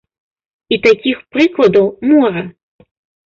І такіх прыкладаў мора.